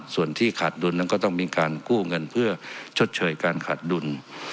ส่วนที่ขาดดุลนั้นก็ต้องมีการกู้เงินเพื่อชดเชยการขาดดุล